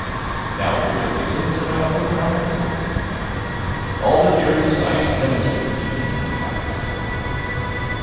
"Now for your reason?" said my uncle ironically. "All the theories of science demonstrate such a feat to be impracticable."